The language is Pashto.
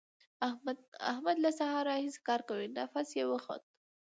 احمد له سهار راهسې کار کوي؛ نفس يې وخوت.